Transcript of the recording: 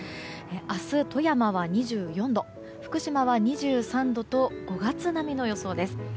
明日、富山は２４度福島は２３度と５月並みの予想です。